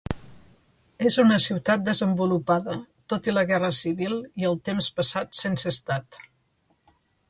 És una ciutat desenvolupada, tot i la guerra civil i el temps passat sense estat.